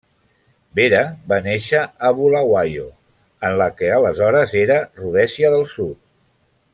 Vera va néixer a Bulawayo, en la que aleshores era Rhodèsia del Sud.